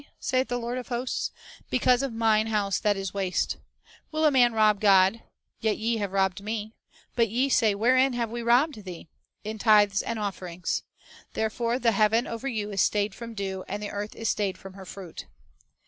saith the Lord of hosts. Because of Mine house that is waste." "Will a man rob God? Yet ye have lobbed Me. But ye say, Wherein have we robbed Thee? In tithes and offerings." "Therefore the heaven over you is stayed from dew, and the earth is stayed from her fruit."